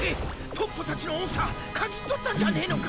トッポたちの音叉嗅ぎ取ったんじゃねえのか？